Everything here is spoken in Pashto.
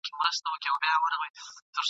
اشارو او استعارو څخه بې برخي کړو !.